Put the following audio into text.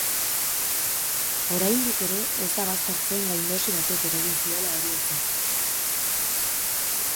Oraindik ez da baztertzen gaindosi batek eragin ziola heriotza.